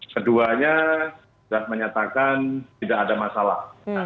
keduanya sudah menyatakan tidak ada masalah